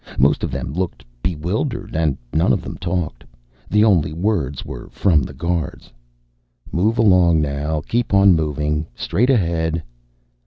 Most of them looked bewildered, and none of them talked. The only words were from the guards: "Move along now, keep on moving, straight ahead."